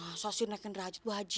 masa sih dinaikkan derajat bu haji